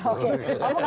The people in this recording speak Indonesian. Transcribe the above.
opung enggak mau jawab nih